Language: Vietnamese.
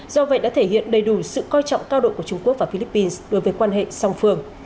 do vậy đã thể hiện đầy đủ sự coi trọng cao độ của trung quốc và philippines đối với quan hệ song phương